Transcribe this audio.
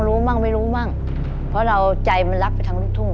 เพราะอย่างเราใจมันลักทั้งลูกทุ่ง